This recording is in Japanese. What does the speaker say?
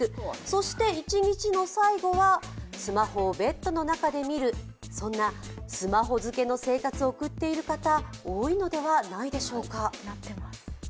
そして、一日の最後はスマホをベッドの中で見るそんなスマホ漬けの生活を送っている方多いのではないでしょうか。